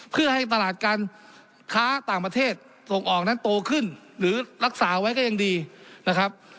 เพื่อให้ตลาดการค้าต่างประเทศส่งออกนั้นโตขึ้นหรือรักษาไว้ก็ยังดีนะครับ